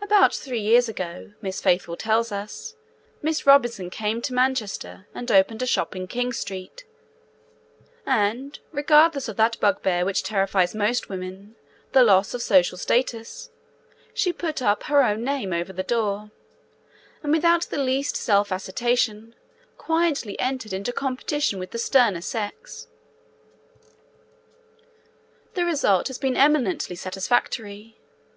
About three years ago, Miss Faithfull tells us, Miss Robinson came to Manchester, and opened a shop in King Street, and, regardless of that bugbear which terrifies most women the loss of social status she put up her own name over the door, and without the least self assertion quietly entered into competition with the sterner sex. The result has been eminently satisfactory.